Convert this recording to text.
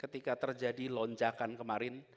ketika terjadi lonjakan kemarin